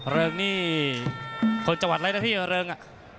เริ่งนี่คนจัวรรดิ์อะไรนะพี่เริ่งน่ะ